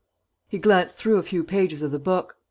He glanced through a few pages of the book.